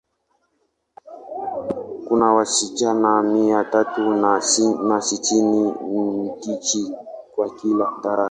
Kuna wasichana mia tatu na sitini, tisini kwa kila darasa.